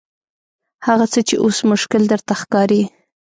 هغه څه چې اوس مشکل درته ښکاري.